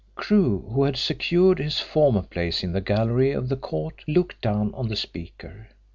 Crewe, who had secured his former place in the gallery of the court, looked down on the speaker.